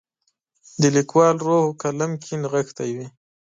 د لیکوال روح قلم کې نغښتی وي.